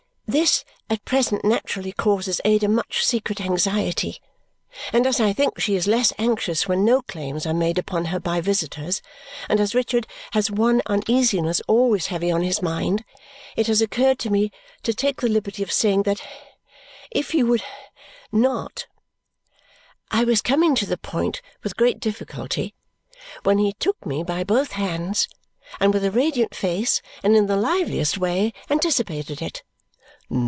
"This at present naturally causes Ada much secret anxiety, and as I think she is less anxious when no claims are made upon her by visitors, and as Richard has one uneasiness always heavy on his mind, it has occurred to me to take the liberty of saying that if you would not " I was coming to the point with great difficulty when he took me by both hands and with a radiant face and in the liveliest way anticipated it.